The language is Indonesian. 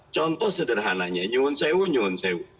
contoh sederhananya nyuhun sewu nyuhun sewu